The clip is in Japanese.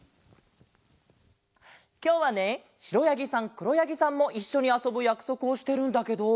きょうはねしろやぎさんくろやぎさんもいっしょにあそぶやくそくをしてるんだけど。